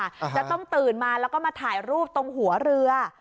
จะต้องตื่นมาแล้วก็มาถ่ายรูปตรงหัวเรือ